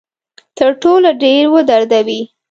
تر ټولو ډیر ودردوي.